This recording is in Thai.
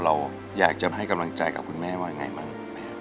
เราอยากจะให้กำลังใจกับคุณแม่ว่ายังไงบ้าง